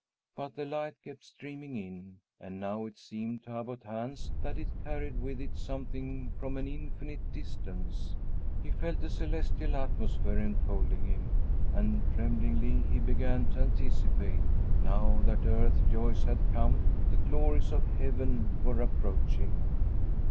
But the light kept streaming in, and now it seemed to Abbot Hans that it carried with it something from an infinite distance. He felt a celestial atmosphere enfolding him, and tremblingly he began to anticipate, now that earth's joys had come, the glories of heaven were approaching.